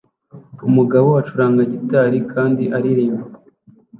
Umugabo acuranga gitari kandi aririmba